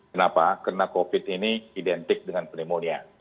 kenapa karena covid ini identik dengan pneumonia